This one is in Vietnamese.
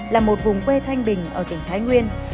là một vùng quê thanh bình ở tỉnh thái nguyên